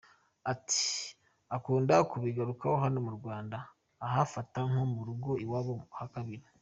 Ati “Akunda kubigarukaho, hano mu Rwanda ahafata nko mu rugo iwabo ha kabiri.